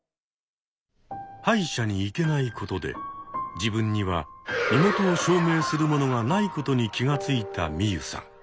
歯医者に行けないことで自分には身元を証明するものがないことに気が付いたミユさん。